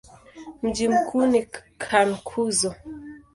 Mji mkuu ni Cankuzo.